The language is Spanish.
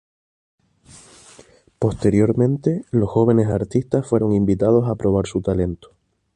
Posteriormente, los jóvenes artistas fueron invitados a probar su talento.